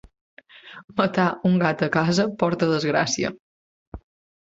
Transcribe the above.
Matar un gat a casa porta desgràcia.